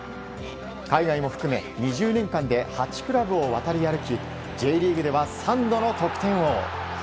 海外も含め２０年間で８クラブを渡り歩きＪリーグでは３度の得点王。